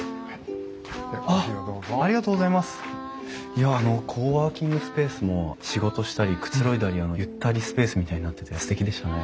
いやあのコワーキングスペースも仕事したりくつろいだりゆったりスペースみたいになっててすてきでしたね。